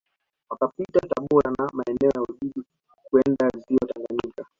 Wakapita Tabora na maeneo ya Ujiji kwenda Ziwa Tanganyika